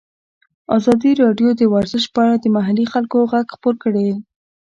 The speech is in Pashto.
ازادي راډیو د ورزش په اړه د محلي خلکو غږ خپور کړی.